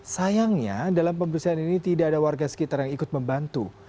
sayangnya dalam pembersihan ini tidak ada warga sekitar yang ikut membantu